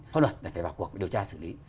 pháp luật phải vào cuộc điều tra xử lý